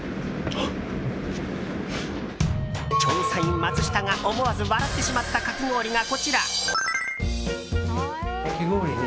調査員マツシタが思わず笑ってしまったかき氷がこちら。